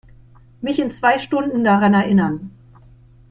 Mich in zwei Stunden daran erinnern.